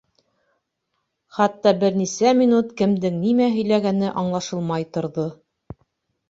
Хатта бер нисә минут кемдең нимә һөйләгәне аңлашылмай торҙо.